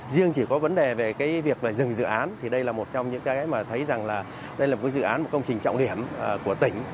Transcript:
riêng chỉ có vấn đề về cái việc phải dừng dự án thì đây là một trong những cái mà thấy rằng là đây là một dự án một công trình trọng điểm của tỉnh